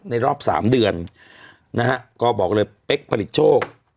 ในรอบ๓เดือนนะฮะก็บอกเลยเป๊กผลิตโชค